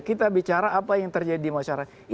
kita bicara apa yang terjadi di masyarakat